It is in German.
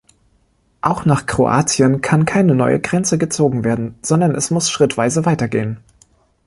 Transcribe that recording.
Auch nach Kroatien kann keine neue Grenze gezogen werden, sondern es muss schrittweise weitergehen.